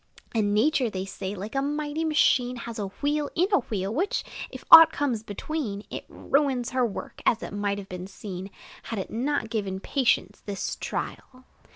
And Nature, they say, like a mighty machine, Has a wheel in a wheel, which, if aught comes between, It ruins her work, as it might have been seen, Had it not given patience this trial.